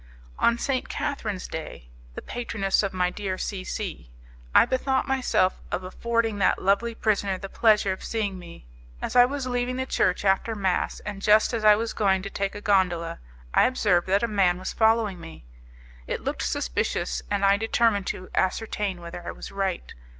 On St. Catherine's Day, the patroness of my dear C C , I bethought myself of affording that lovely prisoner the pleasure of seeing me. As I was leaving the church after mass, and just as I was going to take a gondola, I observed that a man was following me. It looked suspicious, and I determined to ascertain whether I was right.